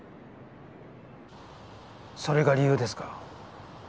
それが理由ですか？